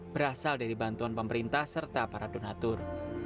berasal dari bantuan pemerintah serta para donatur